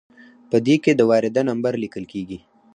په دې کې د وارده نمبر لیکل کیږي.